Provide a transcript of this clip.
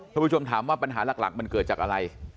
ผู้ชมถามว่าปัญหาหลักมันเกิดจากอะไร